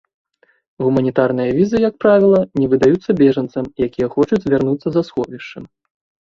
Гуманітарныя візы, як правіла, не выдаюцца бежанцам, якія хочуць звярнуцца за сховішчам.